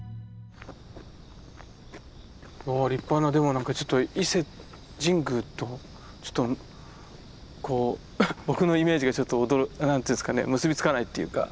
立派なでも何かちょっと伊勢神宮と僕のイメージがちょっと何て言うんですかね結びつかないっていうか。